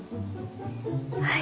はい。